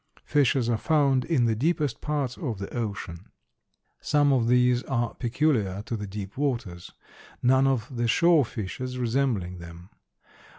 Fishes are found in the deepest parts of the ocean. Some of these are peculiar to the deep waters, none of the shore fishes resembling them.